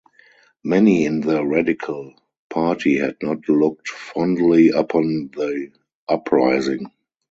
Many in the Radical Party had not looked fondly upon the uprising.